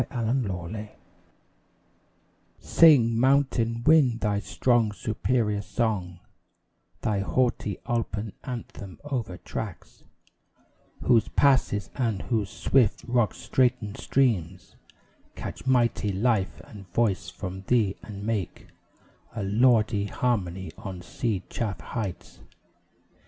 Basil Moss Sing, mountain wind, thy strong, superior song Thy haughty alpine anthem, over tracts Whose passes and whose swift, rock straitened streams Catch mighty life and voice from thee, and make A lordly harmony on sea chafed heights.